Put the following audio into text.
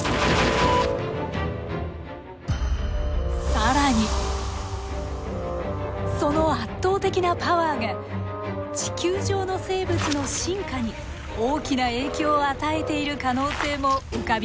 更にその圧倒的なパワーが地球上の生物の進化に大きな影響を与えている可能性も浮かび上がってきました。